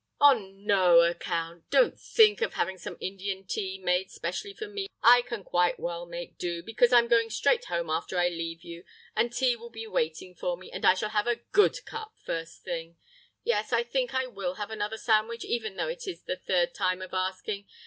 "On no account; don't think of having some Indian tea made specially for me. I can quite well make this do, because I'm going straight home after I leave you, and tea will be waiting for me, and I shall have a good cup first thing.... "Yes, I think I will have another sandwich, even though it is the third time of asking.